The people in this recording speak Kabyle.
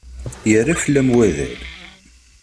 Yerra fell-am wadal.